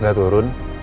bu gak turun